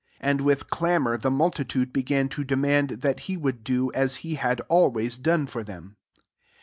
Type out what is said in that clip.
8 And with clamour the multitude began to demand that he would do as he had air ways done for them.